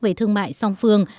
về thương mại song phương